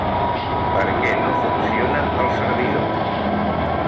Per què no funciona el servidor?